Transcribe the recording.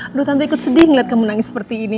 aduh tante ikut sedih ngeliat kamu nangis seperti ini